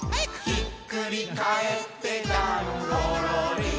「ひっくりかえってだんごろりーん」